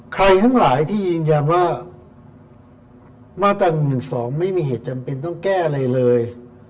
ทั้งหลายที่ยืนยันว่ามาตรา๑๑๒ไม่มีเหตุจำเป็นต้องแก้อะไรเลย